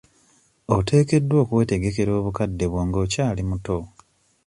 Oteekeddwa okwetegekera obukadde bwo ng'okyali muto.